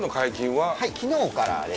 はい、きのうからです。